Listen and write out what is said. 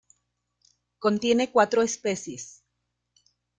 Contiene cuatro especies.